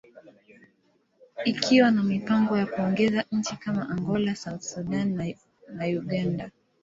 ikiwa na mipango ya kuongeza nchi kama Angola, South Sudan, and Uganda.